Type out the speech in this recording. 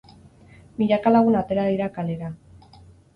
Milaka lagun atera dira kalera.